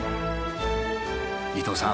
伊東さん